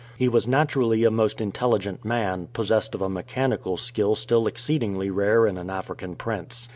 He was naturally a most intelligent man, possessed of a mechanical skill exceedingly rare in an African prince.